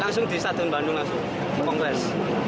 langsung di stasiun bandung langsung kongres